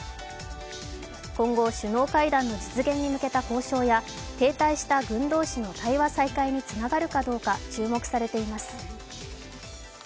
今後、首脳会談の実現に向けた交渉や停滞した軍同士の対話再開につながるかどうか注目されています。